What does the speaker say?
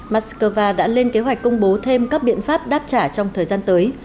moscow đã lên kế hoạch công bố thêm các biện pháp đáp trả trong thời gian tới